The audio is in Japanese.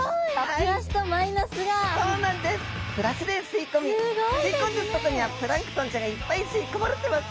プラスで吸い込み吸い込んでいるところにはプランクトンちゃんがいっぱい吸い込まれてます。